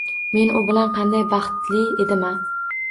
Men u bilan qanday baxtli edim-a…